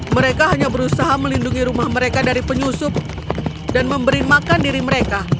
mereka hanya berusaha melindungi rumah mereka dari penyusup dan memberi makan diri mereka